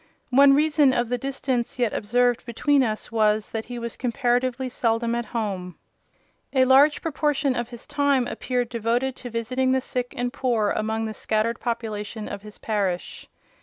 One reason of the distance yet observed between us was, that he was comparatively seldom at home: a large proportion of his time appeared devoted to visiting the sick and poor among the scattered population of his parish.